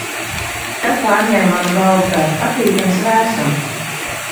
Tad pārņēma manu galvu tāds patīkams vēsums.